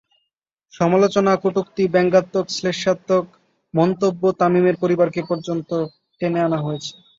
সমালোচনা, কটূক্তি, ব্যঙ্গাত্মক, শ্লেষাত্মক মন্তব্য তামিমের পরিবারকে পর্যন্ত টেনে আনা হয়েছে।